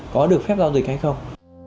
có được phép giao dịch hay không